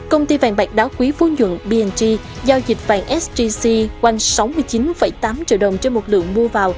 công ty vàng bạc đáo quý phú nhuận bng giao dịch vàng sgc quanh sống